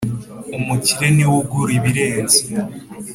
Umukire niwe ugura ibirenze.